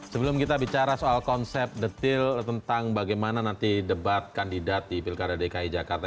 sebelum kita bicara soal konsep detail tentang bagaimana nanti debat kandidat di pilkada dki jakarta